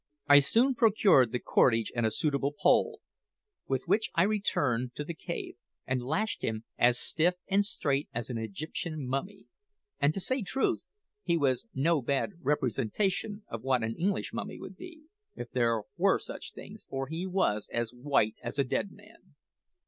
I soon procured the cordage and a suitable pole, with which I returned to the cave, and lashed him as stiff and straight as an Egyptian mummy; and, to say truth, he was no bad representation of what an English mummy would be, if there were such things, for he was as white as a dead man.